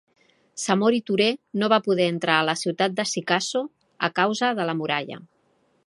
Samori Turé no va poder entrar a la ciutat de Sikasso a causa de la muralla.